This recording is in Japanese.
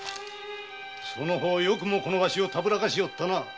その方よくもこのわしをたぶらかしおったな！